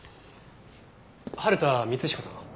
春田光彦さん